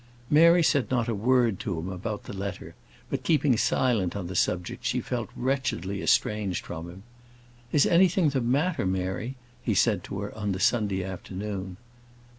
Mary said not a word to him about the letter; but, keeping silent on the subject, she felt wretchedly estranged from him. "Is anything the matter, Mary?" he said to her on the Sunday afternoon.